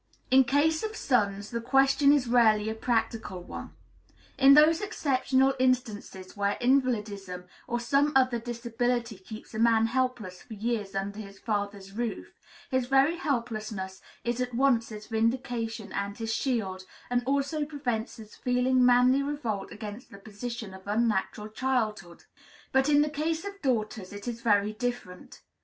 In case of sons, the question is rarely a practical one; in those exceptional instances where invalidism or some other disability keeps a man helpless for years under his father's roof, his very helplessness is at once his vindication and his shield, and also prevents his feeling manly revolt against the position of unnatural childhood. But in the case of daughters it is very different.